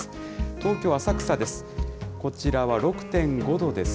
東京・浅草です。